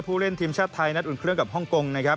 เล่นทีมชาติไทยนัดอุ่นเครื่องกับฮ่องกงนะครับ